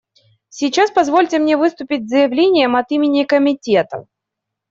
Сейчас позвольте мне выступить с заявлением от имени Комитета.